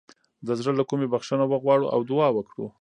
د زړه له کومې بخښنه وغواړو او دعا وکړو.